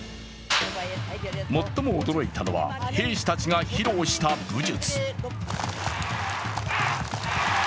最も驚いたのは、兵士たちが披露した武術。